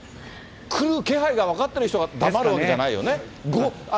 来る気配が分かってる人が黙るわけじゃないよね。